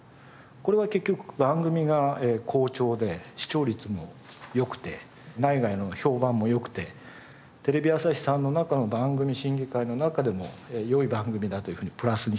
これは結局番組が好調で視聴率も良くて内外の評判も良くてテレビ朝日さんの中の番組審議会の中でも良い番組だというふうにプラスに評価されて。